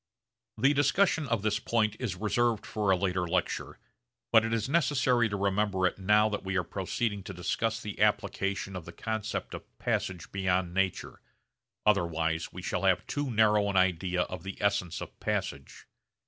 The discussion of this point is reserved for a later lecture but it is necessary to remember it now that we are proceeding to discuss the application of the concept of passage beyond nature, otherwise we shall have too narrow an idea of the essence of passage.